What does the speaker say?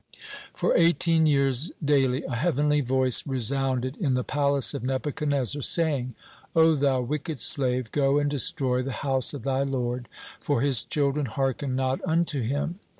(23) For eighteen years daily a heavenly voice resounded in the palace of Nebuchadnezzar, saying: "O thou wicked slave, go and destroy the house of thy Lord, for His children hearken not unto Him."